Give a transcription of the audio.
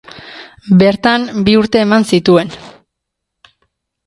Bertan, bi urte eman zituen.